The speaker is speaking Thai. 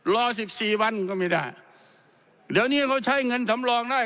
รอสิบสี่วันก็ไม่ได้เดี๋ยวนี้เขาใช้เงินสำรองได้